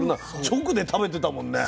直で食べてたもんね。